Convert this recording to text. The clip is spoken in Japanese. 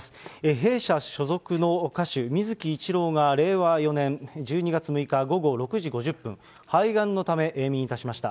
弊社所属の歌手、水木一郎が令和４年１２月６日午後６時５０分、肺がんのため永眠いたしました。